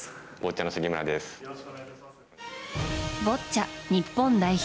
ボッチャ日本代表